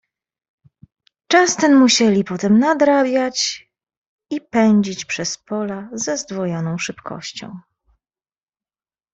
"Czas ten musieli potem nadrabiać i pędzić przez pola ze zdwojoną szybkością."